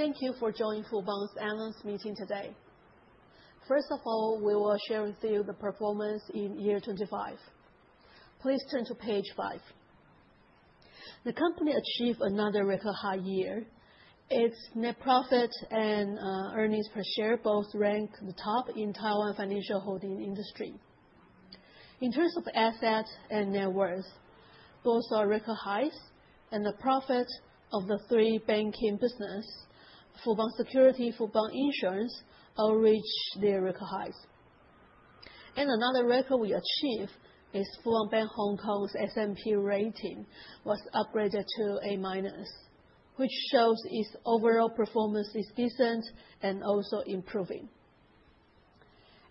Thank you for joining Fubon's analyst meeting today. First of all, we will share with you the performance in 2025. Please turn to page five. The company achieved another record high year. Its net profit and earnings per share both rank the top in Taiwan financial holding industry. In terms of assets and net worth, both are record highs and the profit of the three banking business, Fubon Securities, Fubon Insurance, all reached their record highs. Another record we achieved is Fubon Bank (Hong Kong)'s S&P rating was upgraded to A-, which shows its overall performance is decent and also improving.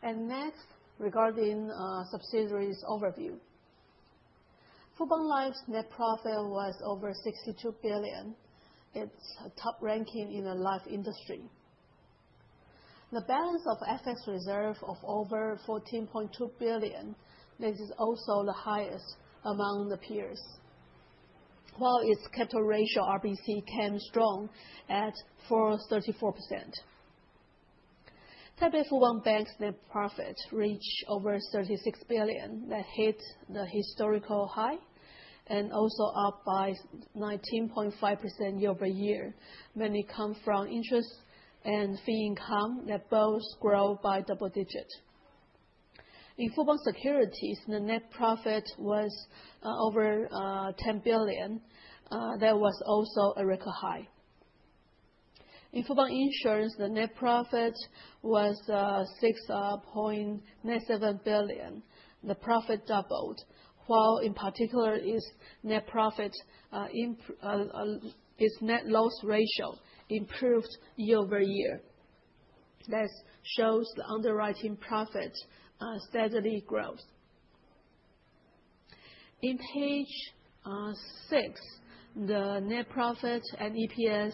Next, regarding subsidiaries overview. Fubon Life's net profit was over 62 billion. It's top ranking in the life industry. The balance of FX reserve of over 14.2 billion, this is also the highest among the peers. While its capital ratio RBC came strong at 434%. Taipei Fubon Bank's net profit reached over 36 billion. That hit the historical high and also up by 19.5% year-over-year, mainly come from interest and fee income that both grow by double digit. In Fubon Securities, the net profit was over 10 billion. That was also a record high. In Fubon Insurance, the net profit was 6.7 billion. The profit doubled, while in particular its net loss ratio improved year-over-year. That shows the underwriting profit steadily grows. On page six, the net profit and EPS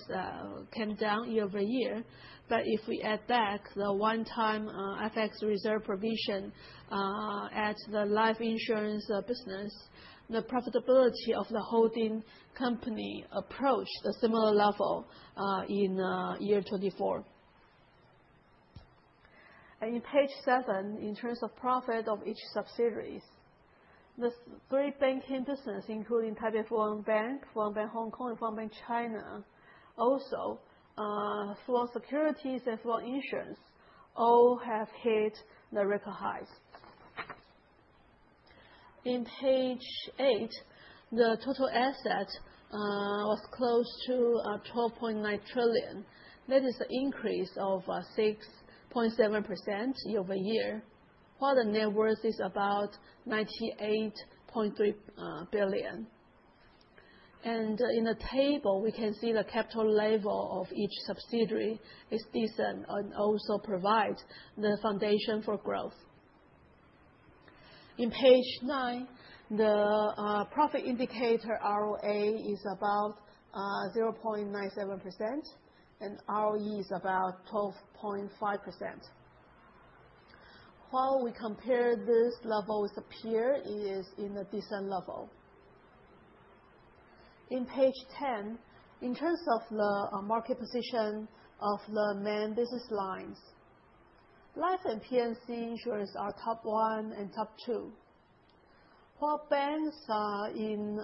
came down year-over-year. If we add back the one-time, FX reserve provision, at the life insurance business, the profitability of the holding company approached a similar level, in year 2024. In page seven, in terms of profit of each subsidiaries, the three banking business, including Taipei Fubon Bank, Fubon Bank Hong Kong and Fubon Bank China, also, Fubon Securities and Fubon Insurance, all have hit the record highs. In page eight, the total asset was close to 12.9 trillion. That is an increase of 6.7% year-over-year, while the net worth is about 98.3 billion. In the table, we can see the capital level of each subsidiary is decent and also provides the foundation for growth. In page nine, the profit indicator ROA is about 0.97% and ROE is about 12.5%. While we compare this level with the peer, it is in a decent level. In page ten, in terms of the market position of the main business lines. Life and P&C insurance are top 1 and top 2 while banks are in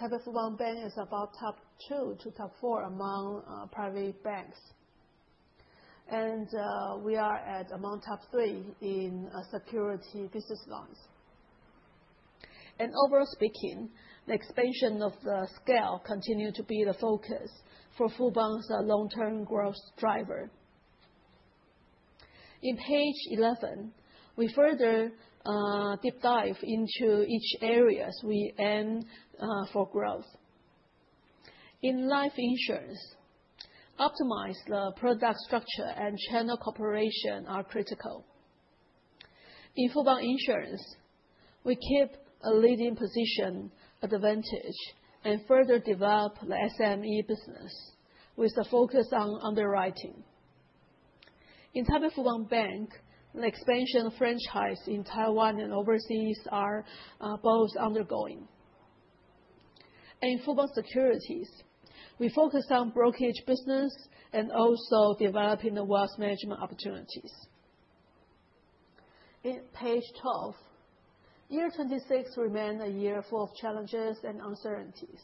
Taipei Fubon Bank is about top 2 to top 4 among private banks. We are among top 3 in securities business lines. Overall speaking, the expansion of the scale continued to be the focus for Fubon's long-term growth driver. In page eleven, we further deep dive into each areas we aim for growth. In life insurance, optimize the product structure and channel cooperation are critical. In Fubon Insurance, we keep a leading position advantage and further develop the SME business with a focus on underwriting. In Taipei Fubon Bank, the expansion of franchise in Taiwan and overseas are both undergoing. In Fubon Securities, we focus on brokerage business and also developing the wealth management opportunities. In page 12, year 2026 remain a year full of challenges and uncertainties.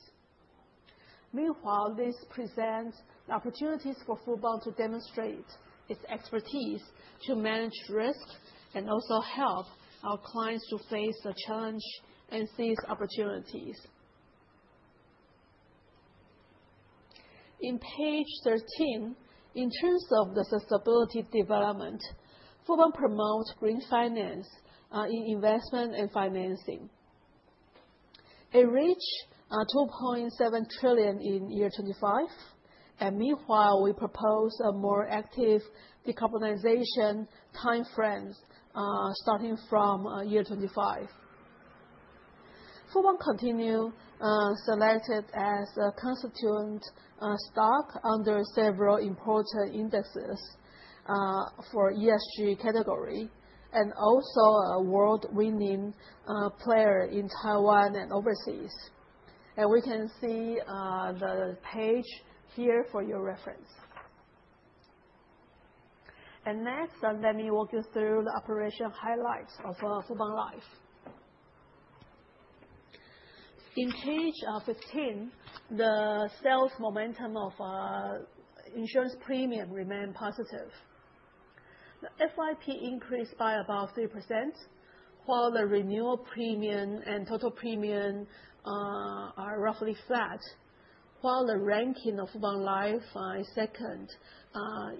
Meanwhile, this presents opportunities for Fubon to demonstrate its expertise to manage risk and also help our clients to face the challenge and seize opportunities. In page 13, in terms of the sustainable development, Fubon promotes green finance in investment and financing. It reached 2.7 trillion in year 2025 and meanwhile, we propose a more active decarbonization time frames starting from year 2025. Fubon continues selected as a constituent stock under several important indexes for ESG category and also an award-winning player in Taiwan and overseas. We can see the page here for your reference. Next, let me walk you through the operation highlights of Fubon Life. In page 15, the sales momentum of insurance premium remain positive. The FIP increased by about 3%, while the renewal premium and total premium are roughly flat, while the ranking of Fubon Life is second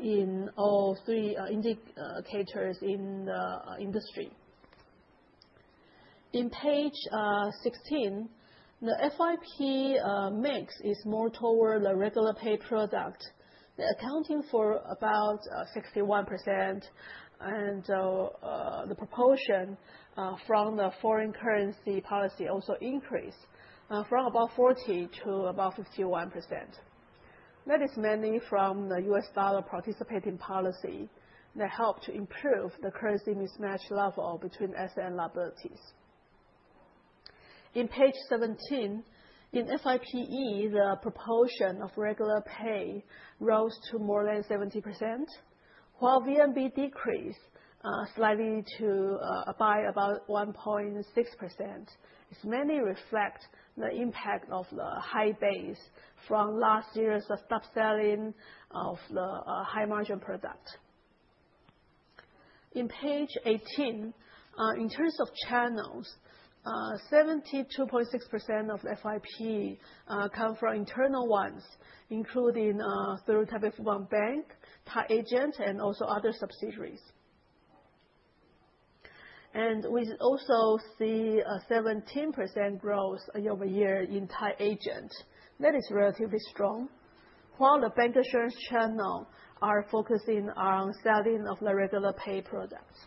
in all three indicators in the industry. In page 16, the FIP mix is more toward the regular pay product, accounting for about 61%. The proportion from the foreign currency policy also increased from about 40% to about 51%. That is mainly from the US dollar participating policy that helped improve the currency mismatch level between asset and liabilities. In page 17, in VNB, the proportion of regular pay rose to more than 70%, while VNB decreased slightly by about 1.6%. This mainly reflect the impact of the high base from last year's stock selling of the high margin product. In page 18, in terms of channels, 72.6% of VNB come from internal ones, including through Fubon Bank, Tied Agent and also other subsidiaries. We also see a 17% growth year-over-year in Tied Agent. That is relatively strong. While the bancassurance channel are focusing on selling of the regular pay products.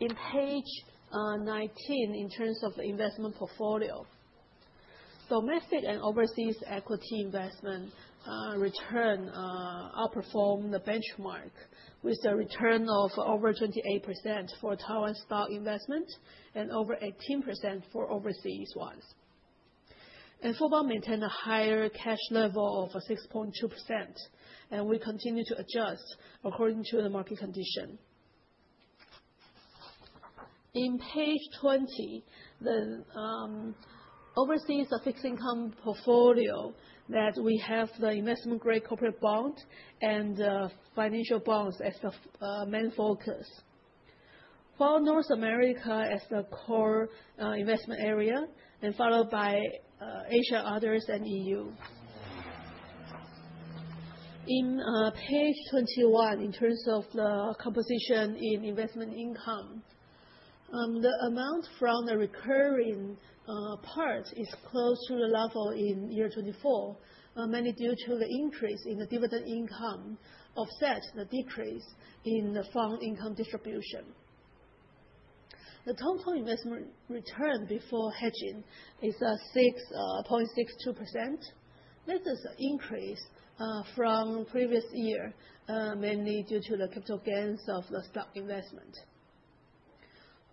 In page 19, in terms of investment portfolio. Domestic and overseas equity investment return outperform the benchmark with a return of over 28% for Taiwan stock investment and over 18% for overseas ones. Fubon maintain a higher cash level of 6.2% and we continue to adjust according to the market condition. In page 20, the overseas fixed income portfolio that we have the investment-grade corporate bond and the financial bonds as the main focus. For North America as the core investment area and followed by Asia, others and EU. In page 21, in terms of the composition in investment income, the amount from the recurring part is close to the level in year 2024, mainly due to the increase in the dividend income offset the decrease in the fund income distribution. The total investment return before hedging is 6.62%. This is an increase from previous year mainly due to the capital gains of the stock investment.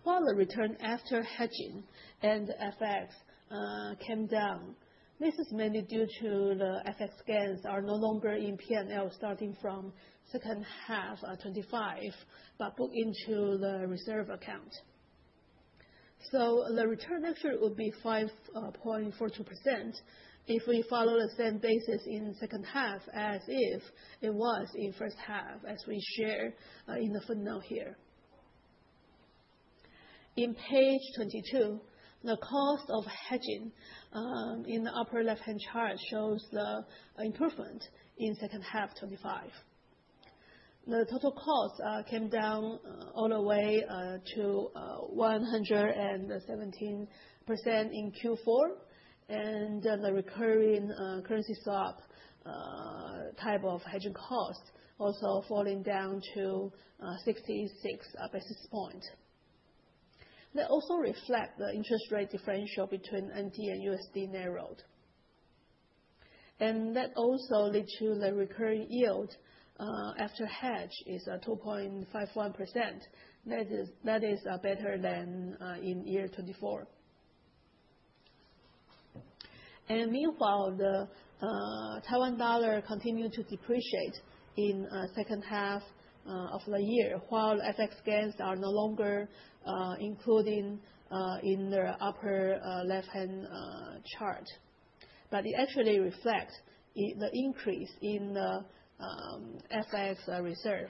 While the return after hedging and FX came down, this is mainly due to the FX gains are no longer in P&L starting from second half of 2025 but booked into the reserve account. The return actually would be 5.42% if we follow the same basis in second half as if it was in first half, as we share in the footnote here. In page 22, the cost of hedging in the upper left-hand chart shows the improvement in second half 2025. The total cost came down all the way to 117% in Q4. The recurring currency swap type of hedging cost also falling down to 66 basis points. That also reflect the interest rate differential between NT and USD narrowed. That also lead to the recurring yield after hedge is at 2.51%. That is better than in 2024. Meanwhile, the Taiwan dollar continued to depreciate in second half of the year, while FX gains are no longer including in the upper left-hand chart. It actually reflects the increase in the FX reserve.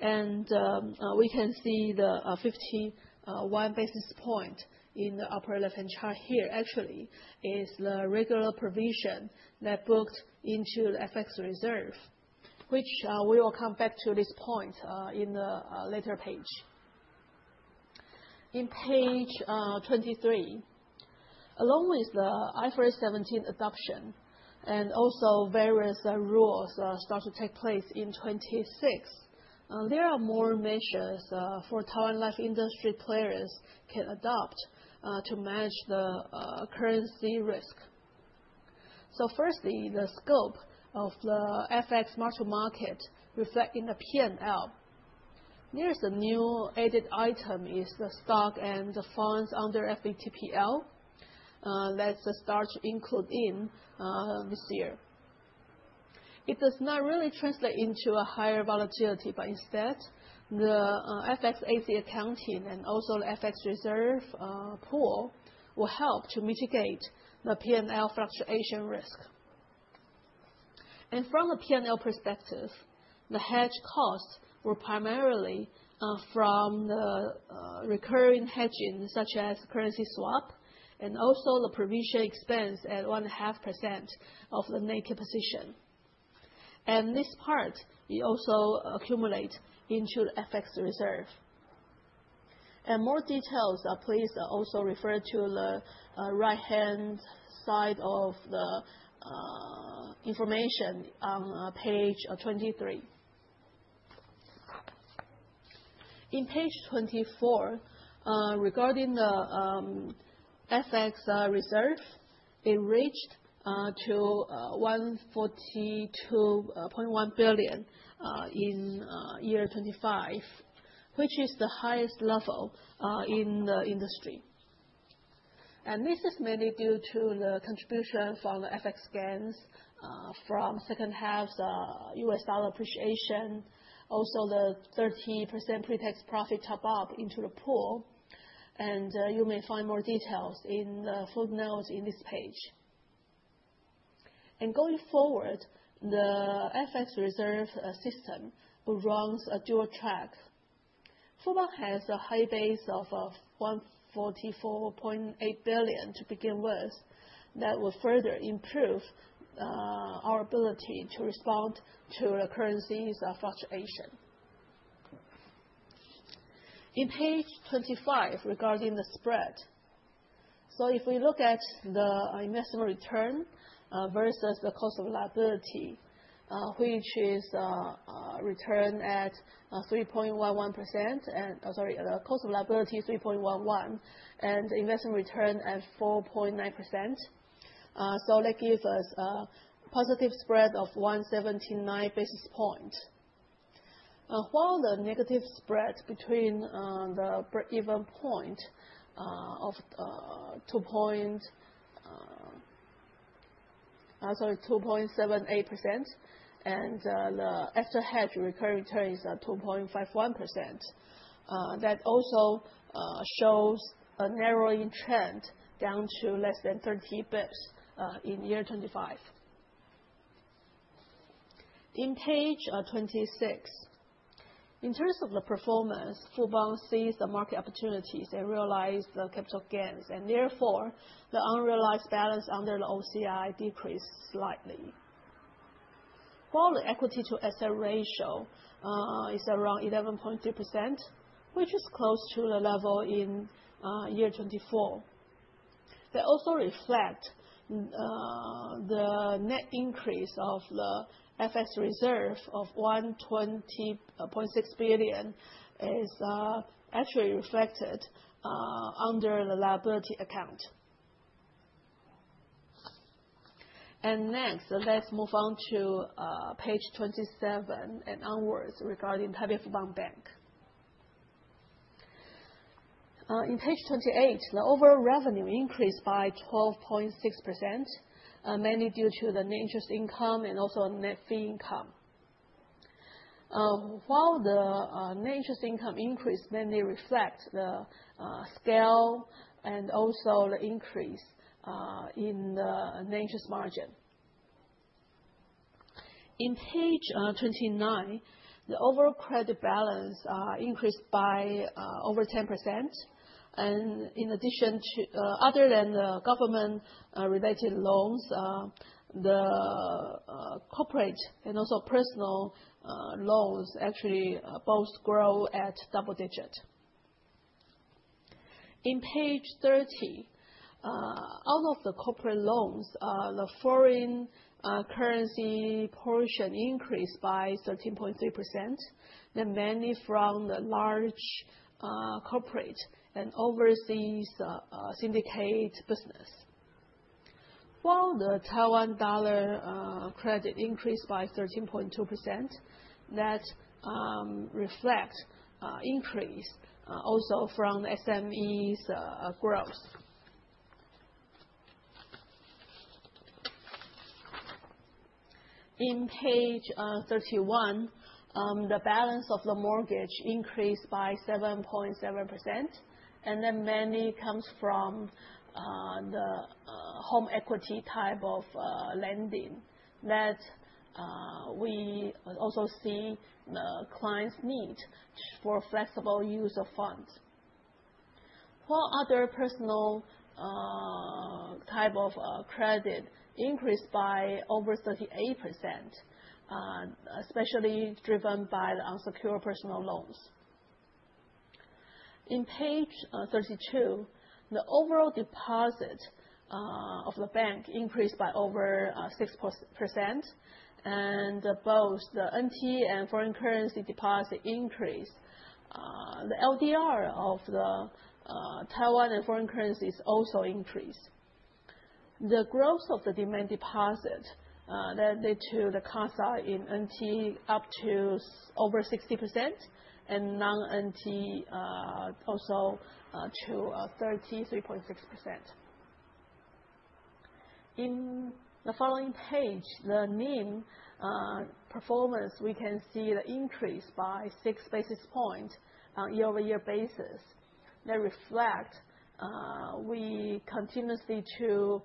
We can see the 51 basis point in the upper left-hand chart here actually is the regular provision that booked into the FX reserve, which we will come back to this point in a later page. In page 23, along with the IFRS 17 adoption and also various rules start to take place in 2026, there are more measures for Taiwan Life industry players can adopt to manage the currency risk. Firstly, the scope of the FX module market reflect in the P&L. There is a new added item, is the stock and the funds under FVTPL, that's start to include in this year. It does not really translate into a higher volatility but instead the FX OCI accounting and also the FX reserve pool will help to mitigate the P&L fluctuation risk. From the P&L perspective, the hedge costs were primarily from the recurring hedging such as currency swap and also the provision expense at 0.5% of the naked position. This part, it also accumulate into the FX reserve. More details, please also refer to the right-hand side of the information on page 23. In page 24, regarding the FX reserve, it reached to 142.1 billion in 2025, which is the highest level in the industry. This is mainly due to the contribution from the FX gains from second half's US dollar appreciation, also the 30% pretax profit top-up into the pool. You may find more details in the footnotes in this page. Going forward, the FX reserve system will runs a dual track. Fubon has a high base of 144.8 billion to begin with. That will further improve our ability to respond to the currency's fluctuation. In page 25, regarding the spread. If we look at the investment return versus the cost of liability, the cost of liability is 3.11% and investment return at 4.9%. That give us a positive spread of 179 basis points. While the negative spread between the breakeven point of 2.78% and the after-hedge recurring return is at 2.51%. That also shows a narrowing trend down to less than 30 basis points in year 2025. On page 26. In terms of the performance, Fubon sees the market opportunities and realize the capital gains and therefore the unrealized balance under the OCI decreased slightly. While the equity-to-asset ratio is around 11.3%, which is close to the level in year 2024. That also reflect the net increase of the FX reserve of 120.6 billion is actually reflected under the liability account. Next, let's move on to page 27 and onwards regarding Taipei Fubon Bank. In page 28, the overall revenue increased by 12.6%, mainly due to the net interest income and also net fee income. While the net interest income increased, mainly reflect the scale and also the increase in the net interest margin. In page 29, the overall credit balance increased by over 10%. Other than the government related loans, the corporate and also personal loans actually both grow at double digit. In page 30, out of the corporate loans, the foreign currency portion increased by 13.3%. They're mainly from the large corporate and overseas syndicate business. While the Taiwan dollar credit increased by 13.2%, that reflect increase also from SMEs growth. In page 31, the balance of the mortgage increased by 7.7% and that mainly comes from the home equity type of lending that we also see the clients need for flexible use of funds. While other personal type of credit increased by over 38%, especially driven by the unsecured personal loans. In page 32, the overall deposit of the bank increased by over 6% and both the NT and foreign currency deposit increased. The LDR of the Taiwan and foreign currencies also increased. The growth of the demand deposit that lead to the CASA in NT up to over 60% and non-NT also to 33.6%. In the following page, the NIM performance, we can see the increase by 6 basis points on year-over-year basis. They reflect we continue to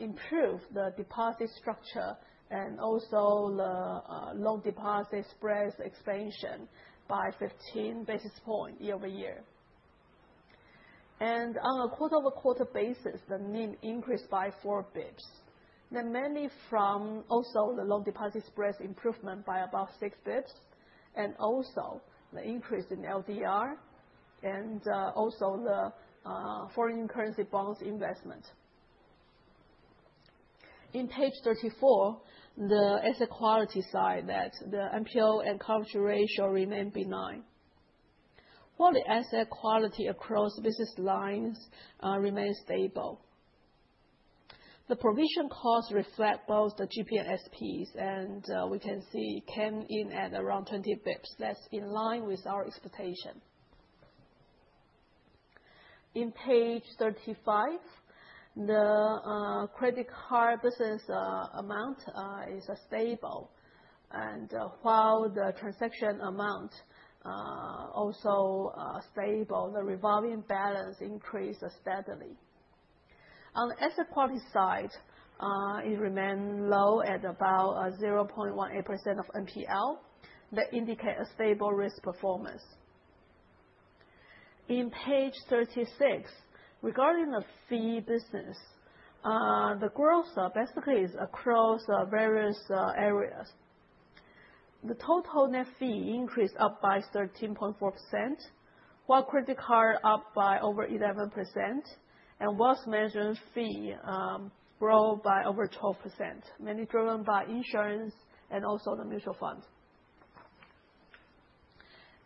improve the deposit structure and also the loan deposit spreads expansion by 15 basis points year-over-year. On a quarter-over-quarter basis, the NIM increased by 4 basis points. They're mainly from also the loan deposit spreads improvement by about 6 basis points and also the increase in LDR and also the foreign currency bonds investment. In page 34, the asset quality side that the NPL and coverage ratio remain benign, while the asset quality across business lines remain stable. The provision cost reflect both the GP and SPs and we can see it came in at around 20 basis points. That's in line with our expectation. In page 35, the credit card business amount is stable. While the transaction amount also stable, the revolving balance increased steadily. On the asset quality side, it remain low at about 0.18% of NPL. That indicate a stable risk performance. In page 36, regarding the fee business, the growth basically is across various areas. The total net fee increased up by 13.4%, while credit card up by over 11%. Wealth management fee grow by over 12%, mainly driven by insurance and also the mutual fund.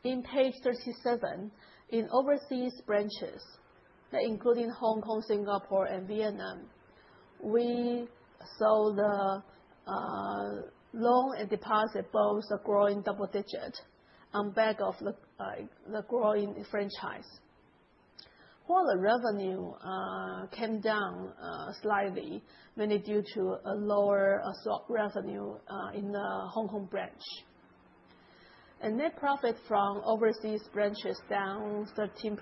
On page 37, in overseas branches, including Hong Kong, Singapore and Vietnam, we saw the loan and deposit both are growing double-digit on back of the growing franchise, while the revenue came down slightly, mainly due to a lower swap revenue in the Hong Kong branch. Net profit from overseas branches down 13%.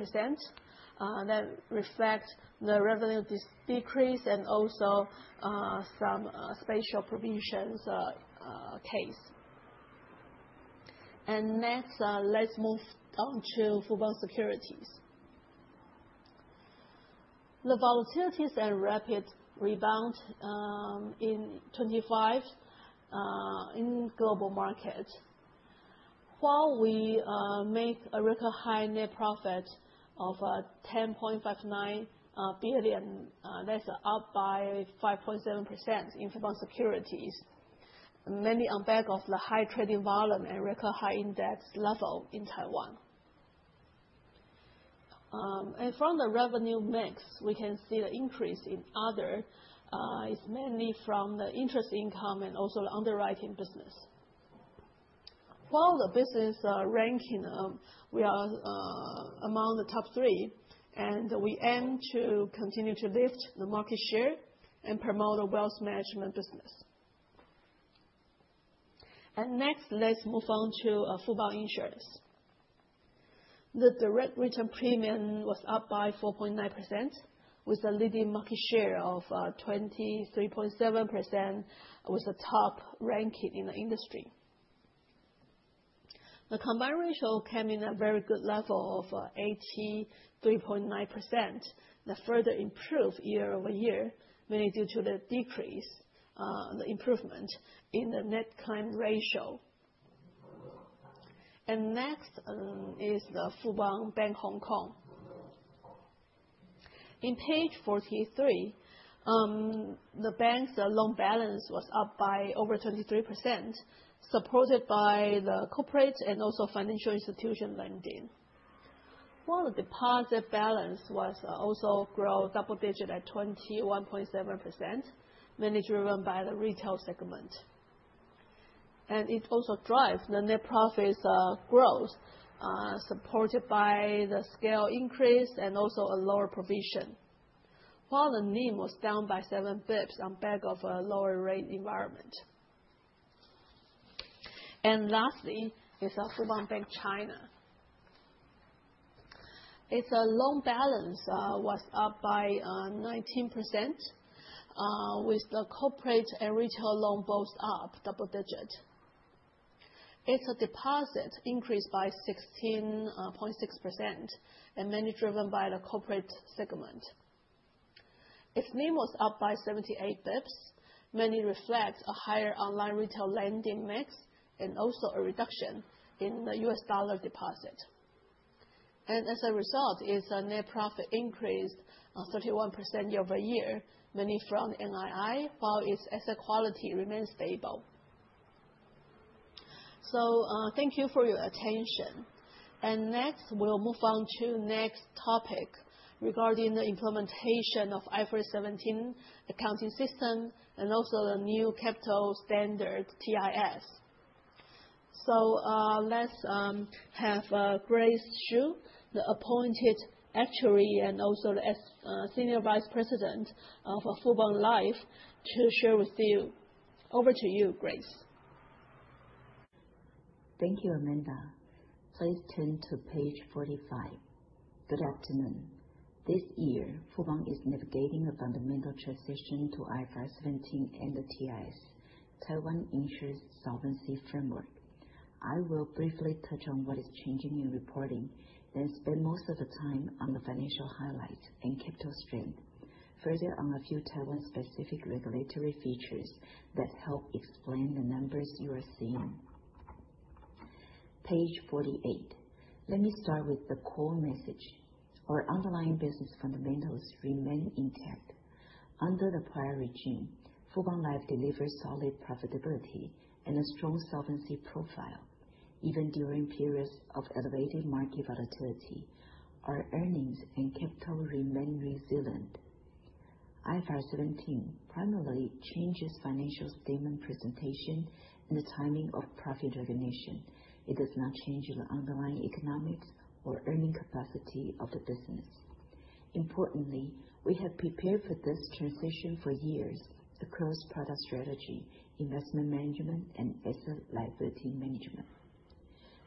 That reflects the revenue decrease and also some special provisions case. Next, let's move on to Fubon Securities. The volatilities and rapid rebound in 2025 in global market, while we make a record high net profit of 10.59 billion, that's up by 5.7% in Fubon Securities, mainly on back of the high trading volume and record high index level in Taiwan. From the revenue mix, we can see the increase in other is mainly from the interest income and also the underwriting business. While the business ranking, we are among the top three and we aim to continue to lift the market share and promote a wealth management business. Next, let's move on to Fubon Insurance. The direct written premium was up by 4.9% with a leading market share of 23.7%, with a top ranking in the industry. The combined ratio came in a very good level of 83.9%, that further improved year-over-year, mainly due to the improvement in the net claim ratio. Next, is the Fubon Bank Hong Kong. In page 43, the bank's loan balance was up by over 23%, supported by the corporate and also financial institution lending. While the deposit balance was also grow double digit at 21.7%, mainly driven by the retail segment. It also drives the net profits growth, supported by the scale increase and also a lower provision, while the NIM was down by 7 basis points on back of a lower rate environment. Lastly is Fubon Bank China. Its loan balance was up by 19%, with the corporate and retail loan both up double digit. Its deposit increased by 16.6% and mainly driven by the corporate segment. Its NIM was up by 78 basis points, mainly reflect a higher online retail lending mix and also a reduction in the U.S. dollar deposit. As a result, its net profit increased 31% year-over-year, mainly from NII, while its asset quality remains stable. Thank you for your attention. Next, we'll move on to the next topic regarding the implementation of IFRS 17 accounting system and also the new capital standard TIS. Let's have Grace Chiu, the appointed actuary and also the Senior Vice President for Fubon Life to share with you. Over to you, Grace. Thank you, Amanda. Please turn to page 45. Good afternoon. This year, Fubon is navigating a fundamental transition to IFRS 17 and the TIS, Taiwan Insurance Solvency Framework. I will briefly touch on what is changing in reporting, then spend most of the time on the financial highlights and capital strength. Further on a few Taiwan-specific regulatory features that help explain the numbers you are seeing. Page 48. Let me start with the core message. Our underlying business fundamentals remain intact. Under the prior regime, Fubon Life delivered solid profitability and a strong solvency profile. Even during periods of elevated market volatility, our earnings and capital remained resilient. IFRS 17 primarily changes financial statement presentation and the timing of profit recognition. It does not change the underlying economics or earning capacity of the business. Importantly, we have prepared for this transition for years across product strategy, investment management and asset liability management.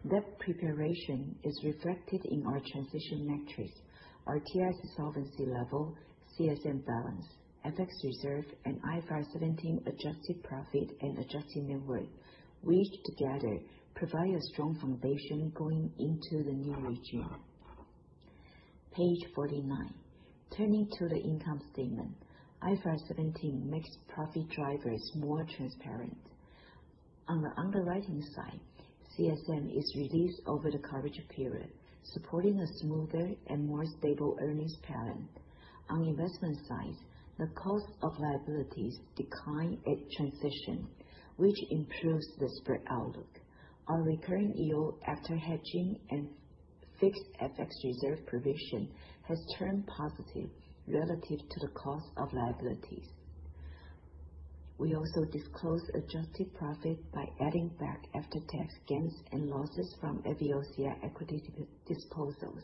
That preparation is reflected in our transition metrics, our TIS solvency level, CSM balance, FX reserve and IFRS 17 adjusted profit and adjusted net worth, which together provide a strong foundation going into the new regime. Page 49. Turning to the income statement, IFRS 17 makes profit drivers more transparent. On the underwriting side, CSM is released over the coverage period, supporting a smoother and more stable earnings pattern. On the investment side, the cost of liabilities decline at transition, which improves the spread outlook. On recurring yield after hedging and fixed FX reserve provision has turned positive relative to the cost of liabilities. We also disclose adjusted profit by adding back after-tax gains and losses from FVOCI equity disposals.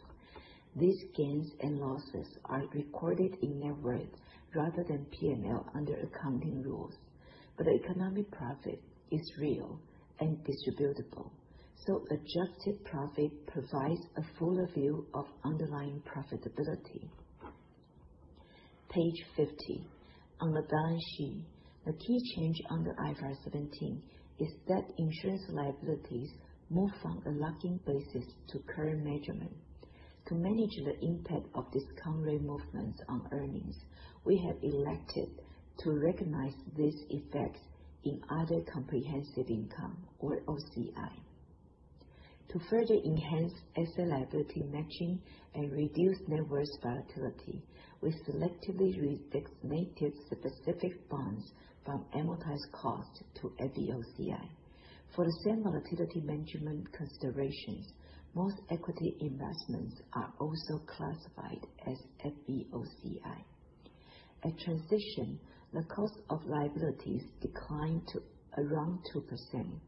These gains and losses are recorded in net worth rather than P&L under accounting rules. Economic profit is real and distributable. Adjusted profit provides a fuller view of underlying profitability. Page 50. On the balance sheet, the key change under IFRS 17 is that insurance liabilities move from a locked-in basis to current measurement. To manage the impact of discount rate movements on earnings, we have elected to recognize these effects in other comprehensive income or OCI. To further enhance asset liability matching and reduce net worth volatility, we selectively reclassify certain specific bonds from amortized cost to FVOCI. For the same volatility management considerations, most equity investments are also classified as FVOCI. At transition, the cost of liabilities declined to around 2%.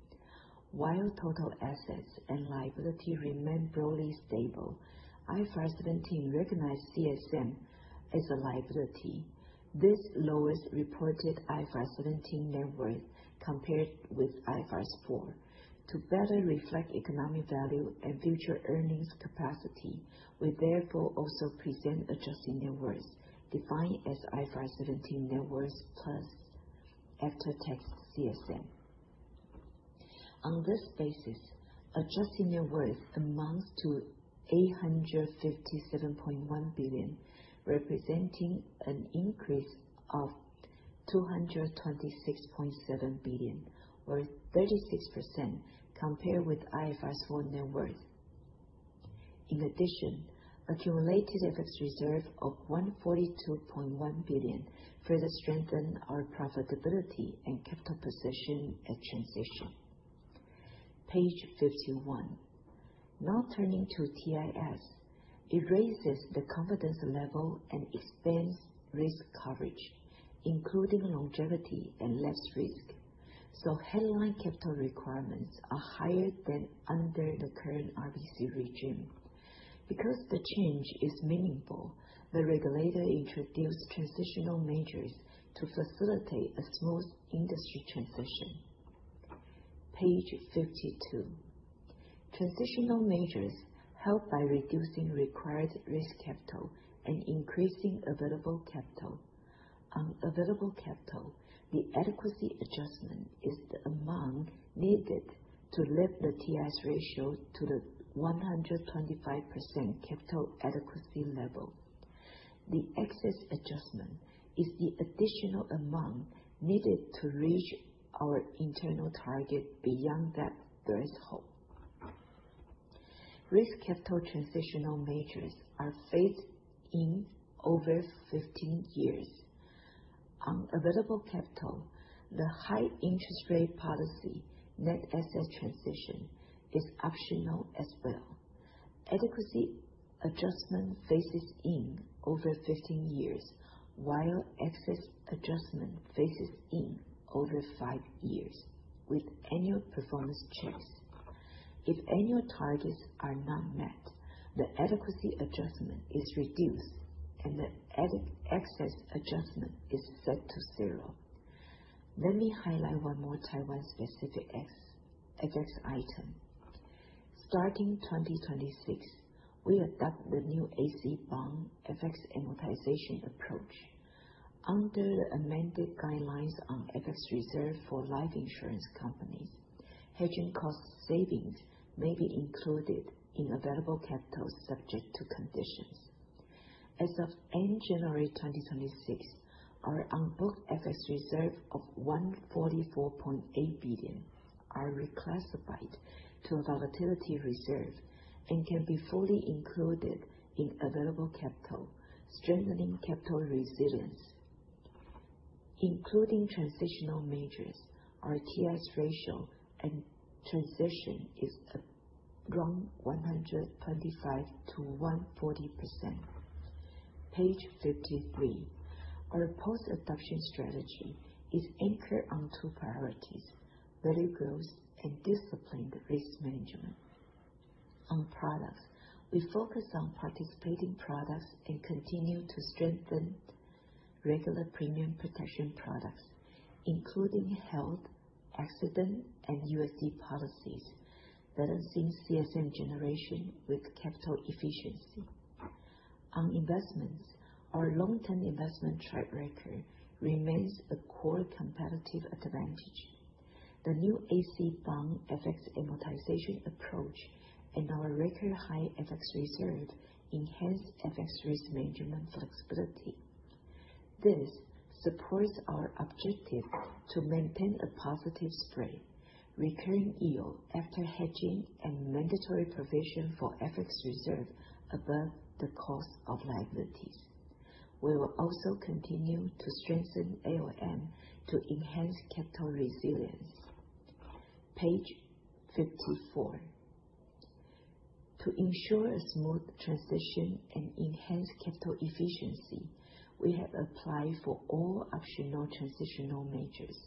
While total assets and liabilities remain broadly stable, IFRS 17 recognized CSM as a liability. This lowers reported IFRS 17 net worth compared with IFRS 4. To better reflect economic value and future earnings capacity, we therefore also present adjusted net worth, defined as IFRS 17 net worth plus after-tax CSM. On this basis, adjusted net worth amounts to 857.1 billion, representing an increase of 226.7 billion or 36% compared with IFRS 4 net worth. In addition, accumulated FX reserve of 142.1 billion further strengthen our profitability and capital position at transition. Page 51. Now turning to TIS. It raises the confidence level and expands risk coverage, including longevity and lapse risk. Headline capital requirements are higher than under the current RBC regime. Because the change is meaningful, the regulator introduced transitional measures to facilitate a smooth industry transition. Page 52. Transitional measures help by reducing required risk capital and increasing available capital. Available capital, the adequacy adjustment is the amount needed to lift the TIS ratio to the 125% capital adequacy level. The excess adjustment is the additional amount needed to reach our internal target beyond that threshold. Risk capital transitional measures are phased in over 15 years. On available capital, the high interest rate policy net asset transition is optional as well. Adequacy adjustment phases in over 15 years, while excess adjustment phases in over five years with annual performance checks. If annual targets are not met, the adequacy adjustment is reduced and the entire excess adjustment is set to zero. Let me highlight one more Taiwan-specific ex-FX item. Starting 2026, we adopt the new AC bond FX amortization approach. Under the amended guidelines on FX reserve for life insurance companies, hedging cost savings may be included in available capital subject to conditions. As of end January 2026, our on-book FX reserve of 144.8 billion are reclassified to a volatility reserve and can be fully included in available capital, strengthening capital resilience. Including transitional measures, our TIS ratio and transition is around 125%-140%. Page 53. Our post-adoption strategy is anchored on two priorities, value growth and disciplined risk management. On products, we focus on participating products and continue to strengthen regular premium protection products, including health, accident and USD policies that are seeing CSM generation with capital efficiency. On investments, our long-term investment track record remains a core competitive advantage. The new AC bond FX amortization approach and our record high FX reserve enhance FX risk management flexibility. This supports our objective to maintain a positive spread, recurring yield after hedging and mandatory provision for FX reserve above the cost of liabilities. We will also continue to strengthen ALM to enhance capital resilience. Page 54. To ensure a smooth transition and enhance capital efficiency, we have applied for all optional transitional measures.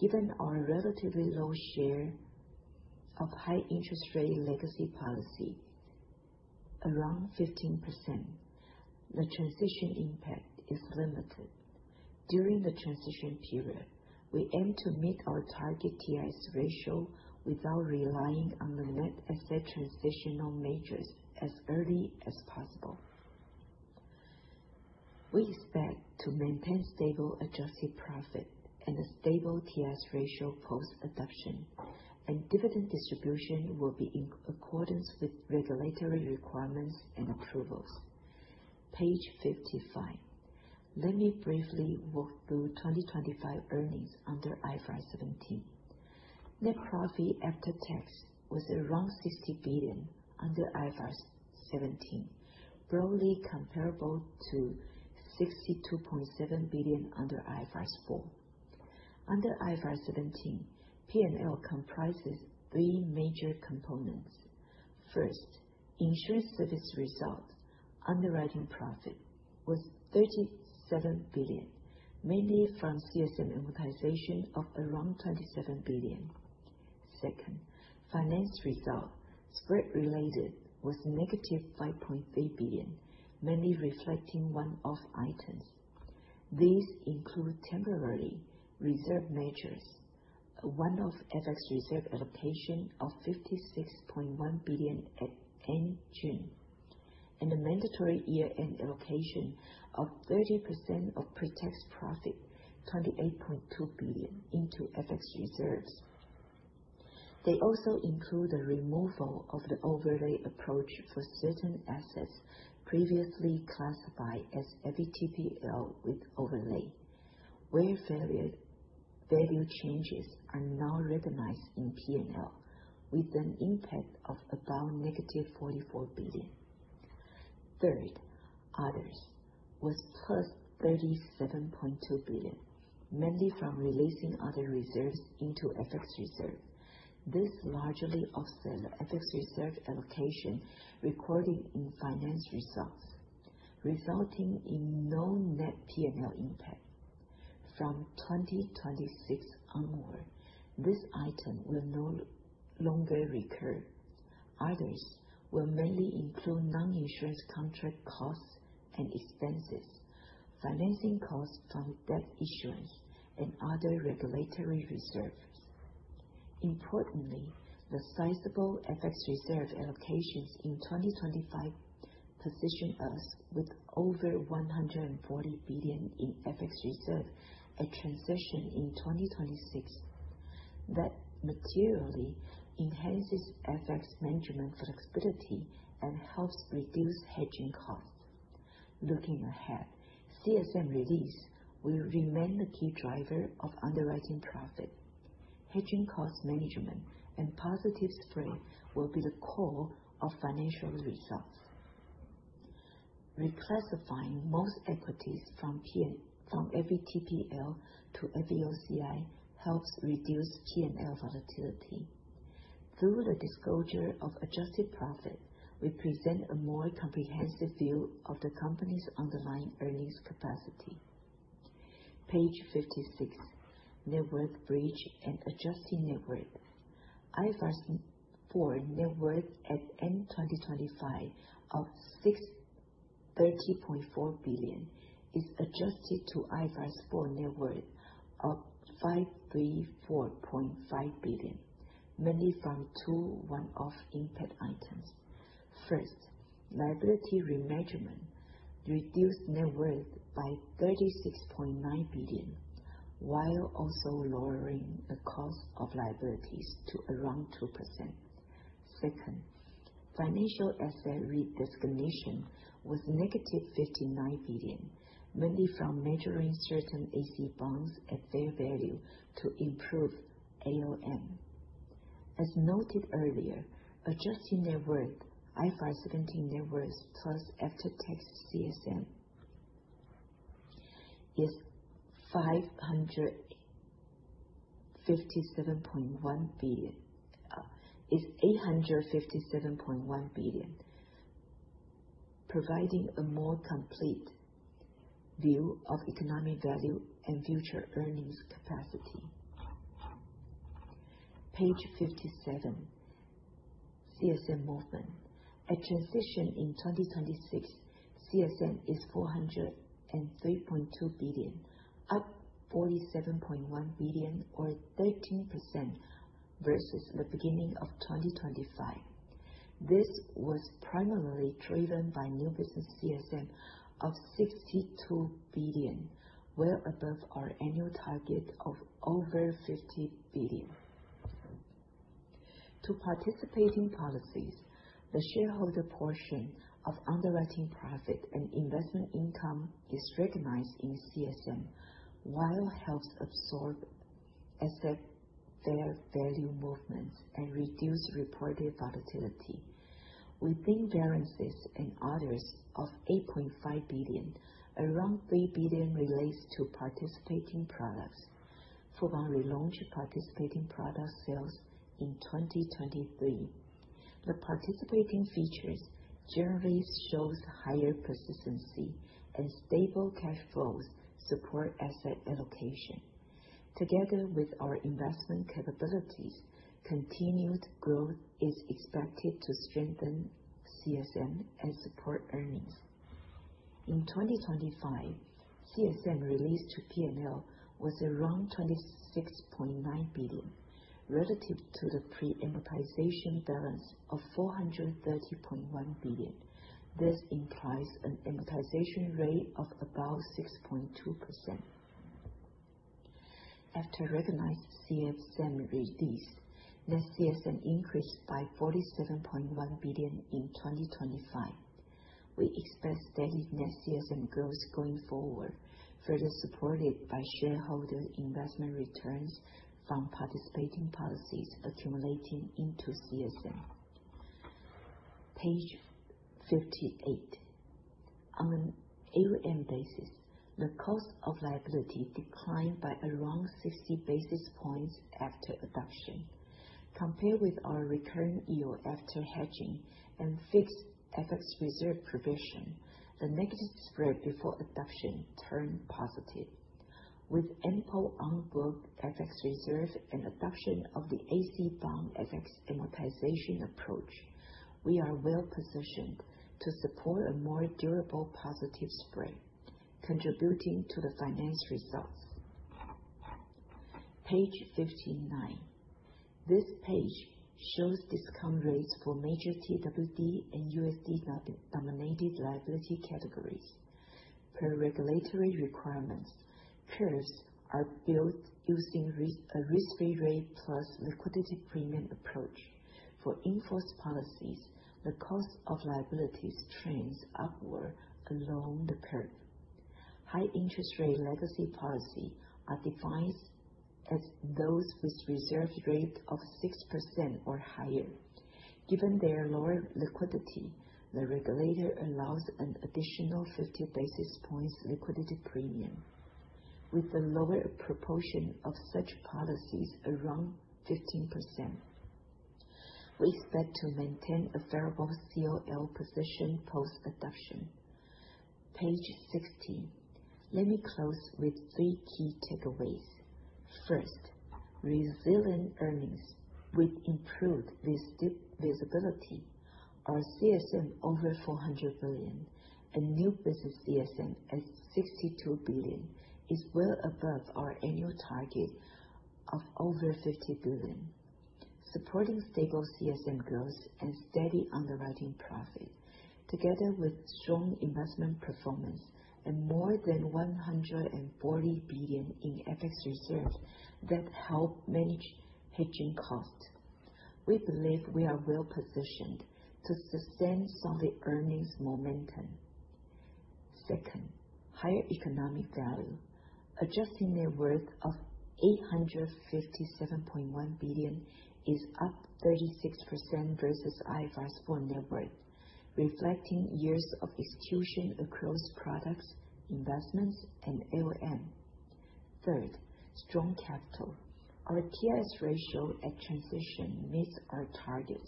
Given our relatively low share of high interest rate legacy policy, around 15%, the transition impact is limited. During the transition period, we aim to meet our target TIS ratio without relying on the net asset transitional measures as early as possible. We expect to maintain stable adjusted profit and a stable TIS ratio post-adoption. Dividend distribution will be in accordance with regulatory requirements and approvals. Page 55. Let me briefly walk through 2025 earnings under IFRS 17. Net profit after tax was around 60 billion under IFRS 17, broadly comparable to 62.7 billion under IFRS 4. Under IFRS 17, P&L comprises three major components. First, insurance service results, underwriting profit was 37 billion, mainly from CSM amortization of around 27 billion. Second, finance result, spread related was -5.3 billion, mainly reflecting one-off items. These include temporary reserve measures, one-off FX reserve allocation of 56.1 billion at end June and a mandatory year-end allocation of 30% of pre-tax profit, 28.2 billion into FX reserves. They also include the removal of the overlay approach for certain assets previously classified as FVTPL with overlay, where value changes are now recognized in P&L with an impact of about -44 billion. Third, others was +37.2 billion, mainly from releasing other reserves into FX reserve. This largely offset the FX reserve allocation recorded in financial results, resulting in no net P&L impact. From 2026 onward, this item will no longer recur. Others will mainly include non-insurance contract costs and expenses, financing costs on debt issuance and other regulatory reserves. Importantly, the sizable FX reserve allocations in 2025 position us with over 140 billion in FX reserve at transition in 2026. That materially enhances FX management flexibility and helps reduce hedging costs. Looking ahead, CSM release will remain the key driver of underwriting profit. Hedging cost management and positive spread will be the core of financial results. Reclassifying most equities from FVTPL to FVOCI helps reduce P&L volatility. Through the disclosure of adjusted profit, we present a more comprehensive view of the company's underlying earnings capacity. Page 56, net worth bridge and adjusted net worth. IFRS 4 net worth at end 2025 of 630.4 billion is adjusted to IFRS 4 net worth of 534.5 billion, mainly from two one-off impact items. First, liability remeasurement reduced net worth by 36.9 billion, while also lowering the cost of liabilities to around 2%. Second, financial asset redesignation was -59 billion, mainly from measuring certain AC bonds at fair value to improve AUM. As noted earlier, adjusting net worth, IFRS 17 net worth plus after-tax CSM is 557.1 billion, is 857.1 billion, providing a more complete view of economic value and future earnings capacity. Page 57, CSM movement. At transition in 2026, CSM is 403.2 billion, up 47.1 billion or 13% versus the beginning of 2025. This was primarily driven by new business CSM of 62 billion, well above our annual target of over 50 billion. To participating policies, the shareholder portion of underwriting profit and investment income is recognized in CSM, which helps absorb asset fair value movements and reduce reported volatility. Within variances and others of 8.5 billion, around 3 billion relates to participating products. Fubon relaunched participating product sales in 2023. The participating features generally show higher persistency and stable cash flows support asset allocation. Together with our investment capabilities, continued growth is expected to strengthen CSM and support earnings. In 2025, CSM release to P&L was around 26.9 billion relative to the pre-amortization balance of 430.1 billion. This implies an amortization rate of about 6.2%. After recognized CSM release, net CSM increased by TWD 47.1 billion in 2025. We expect steady net CSM growth going forward, further supported by shareholder investment returns from participating policies accumulating into CSM. Page 58. On an AUM basis, the cost of liability declined by around 60 basis points after adoption. Compared with our recurring yield after hedging and fixed FX reserve provision, the negative spread before adoption turned positive. With ample on-book FX reserve and adoption of the AC bond FX amortization approach, we are well positioned to support a more durable positive spread, contributing to the financial results. Page 59. This page shows discount rates for major TWD- and USD-dominated liability categories. Per regulatory requirements, curves are built using a risk-free rate plus liquidity premium approach. For in-force policies, the cost of liabilities trends upward along the curve. High interest rate legacy policies are defined as those with reserve rate of 6% or higher. Given their lower liquidity, the regulator allows an additional 50 basis points liquidity premium. With a lower proportion of such policies around 15%, we expect to maintain a favorable COL position post-adoption. Page 60. Let me close with three key takeaways. First, resilient earnings with improved resiliency. Our CSM over 400 billion and new business CSM at 62 billion is well above our annual target of over 50 billion. Supporting stable CSM growth and steady underwriting profit, together with strong investment performance and more than 140 billion in FX reserve that help manage hedging costs. We believe we are well-positioned to sustain solid earnings momentum. Second, higher economic value. Adjusting net worth of 857.1 billion is up 36% versus IFRS 4 net worth, reflecting years of execution across products, investments and AUM. Third, strong capital. Our TIS ratio at transition meets our target.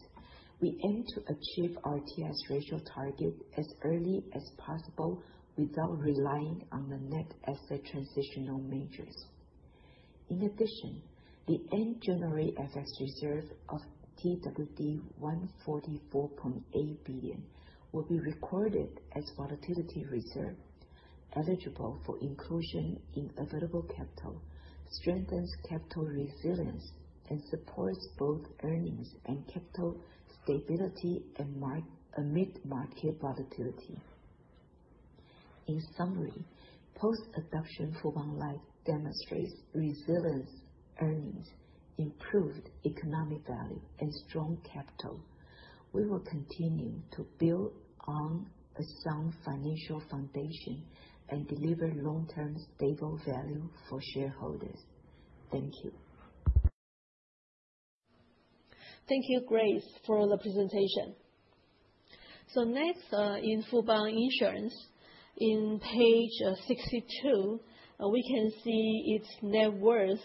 We aim to achieve our TIS ratio target as early as possible without relying on the net asset transitional measures. In addition, the end January FX reserve of TWD 144.8 billion will be recorded as volatility reserve, eligible for inclusion in available capital, strengthens capital resilience and supports both earnings and capital stability amid market volatility. In summary, post-adoption Fubon Life demonstrates resilient earnings, improved economic value and strong capital. We will continue to build on a sound financial foundation and deliver long-term stable value for shareholders. Thank you. Thank you, Grace for the presentation. Next, in Fubon Insurance, on page 62, we can see its net worth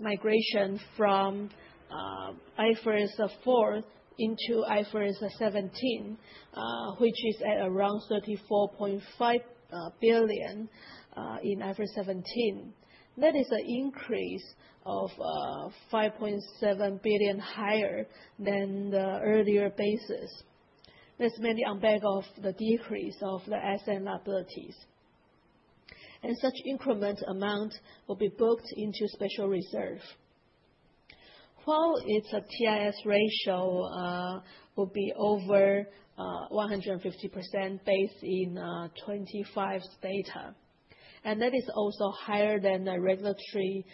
migration from IFRS 4 into IFRS 17, which is at around 34.5 billion in IFRS 17. That is a increase of 5.7 billion higher than the earlier basis. That's mainly on back of the decrease of the asset liabilities. Such increment amount will be booked into special reserve. While its TIS ratio will be over 150% based on 2025's data and that is also higher than the regulatory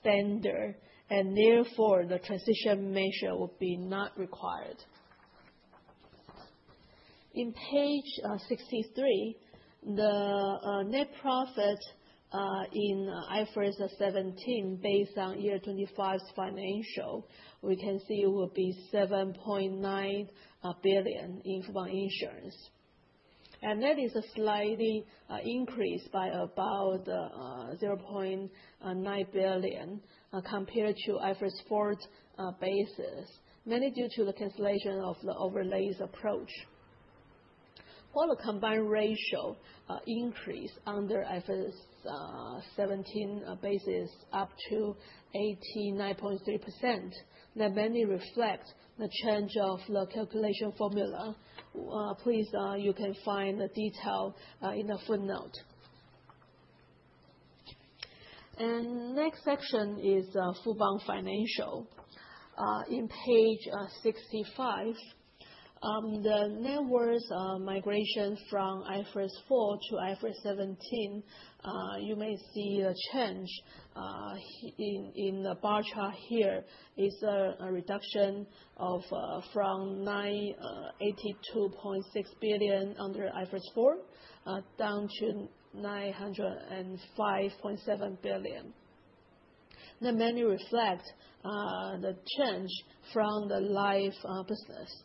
standard and therefore the transition measure will be not required. In page 63, the net profit in IFRS 17 based on year 2025's financial, we can see it will be 7.9 billion in Fubon Insurance. That is a slight increase by about 0.9 billion compared to IFRS 4's basis, mainly due to the cancellation of the overlays approach. While the combined ratio increase under IFRS 17 basis up to 89.3%, that mainly reflects the change of the calculation formula. Please, you can find the detail in the footnote. Next section is Fubon Financial. In page 65, the net worth migration from IFRS 4 to IFRS 17, you may see a change in the bar chart here. It's a reduction from 982.6 billion under IFRS 4 down to 905.7 billion. That mainly reflect the change from the life business.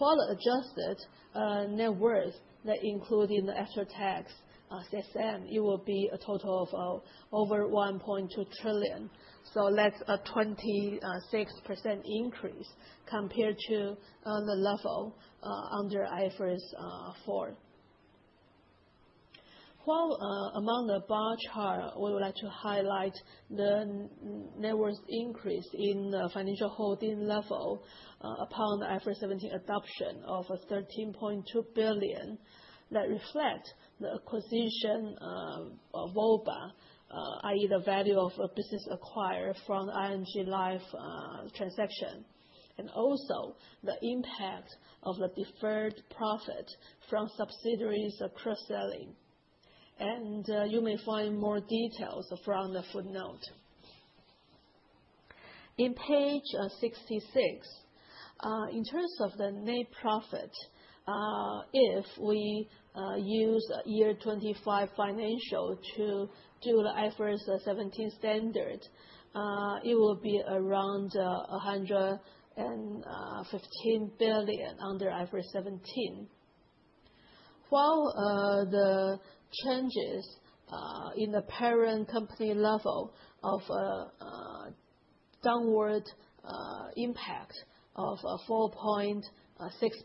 For the adjusted net worth that include in the after-tax CSM, it will be a total of over 1.2 trillion. That's a 26% increase compared to the level under IFRS 4. While among the bar chart, we would like to highlight the net worth increase in the financial holding level upon the IFRS 17 adoption of a 13.2 billion. That reflect the acquisition of VOBA, i.e. the value of a business acquired from ING Life transaction. Also the impact of the deferred profit from subsidiaries cross-selling. You may find more details from the footnote. On page 66, in terms of the net profit, if we use year 2025 financial to do the IFRS 17 standard, it will be around 115 billion under IFRS 17. The changes in the parent company level of downward impact of 4.6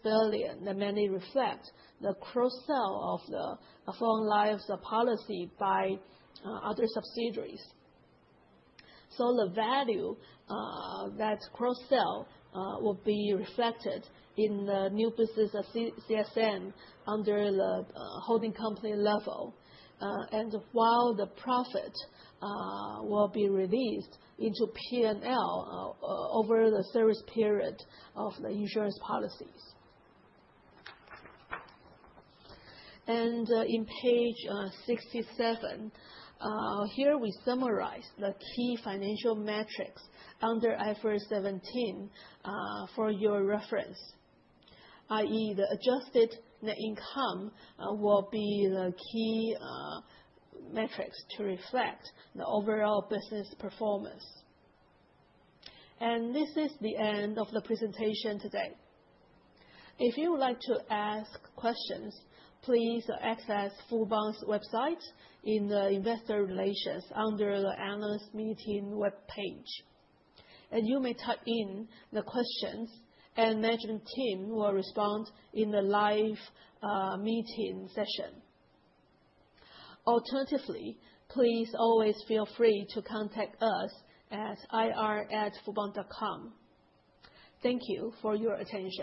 billion mainly reflect the cross-sell of the Fubon Life's policy by other subsidiaries. The value that cross-sell will be reflected in the new business of CSM under the holding company level and the profit will be released into P&L over the service period of the insurance policies. On page 67, here we summarize the key financial metrics under IFRS 17 for your reference, i.e. The adjusted net income will be the key metrics to reflect the overall business performance. This is the end of the presentation today. If you would like to ask questions, please access Fubon's website in the Investor Relations under the Analyst Meeting webpage. You may type in the questions and management team will respond in the live meeting session. Alternatively, please always feel free to contact us at ir@fubon.com. Thank you for your attention.